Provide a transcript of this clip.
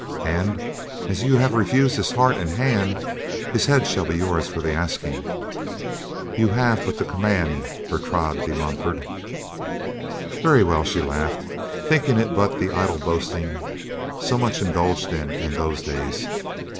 "And, as you have refused his heart and hand, his head shall be yours for the asking. You have but to command, Bertrade de Montfort." "Very well," she laughed, thinking it but the idle boasting so much indulged in in those days.